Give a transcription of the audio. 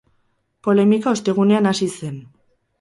Polemika ostegunean hasi zen.